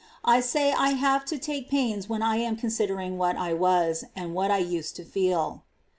I say I have to take pains when I am considering what I was, and what I used to feel.